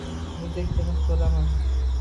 Muzdek, tiniq, to’laman.